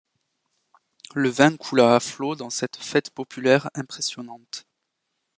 Le vin coula à flots dans cette fête populaire impressionnante.